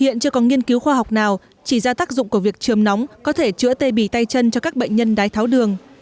hiện chưa có nghiên cứu khoa học nào chỉ ra tác dụng của việc trường nóng có thể chữa tê bì tay chân cho các bệnh nhân đái tháo đường